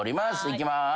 いきます。